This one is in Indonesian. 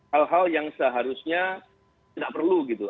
hal hal yang seharusnya tidak perlu gitu